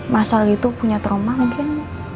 mas al itu punya trauma mungkin